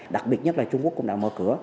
đặc biệt nhất là trung quốc cũng đã mở cửa